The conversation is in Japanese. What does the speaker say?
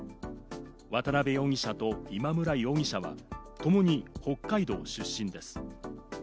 渡辺容疑者と今村容疑者はともに北海道出身です。